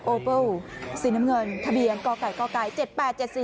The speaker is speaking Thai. โอเบิ้ลสีน้ำเงินทะเบียงก่อไก่ก่อไก่